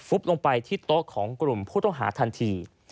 ลงไปที่โต๊ะของกลุ่มผู้ต้องหาทันที